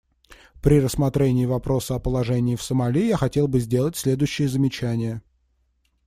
При рассмотрении вопроса о положении в Сомали я хотел бы сделать следующие замечания.